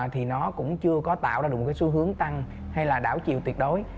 thì nó cũng chưa có tạo ra được một cái xu hướng tăng hay là đảo chiều tuyệt đối